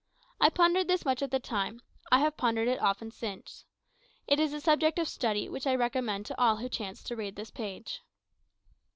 I pondered this much at the time; I have pondered it often since. It is a subject of study which I recommend to all who chance to read this page.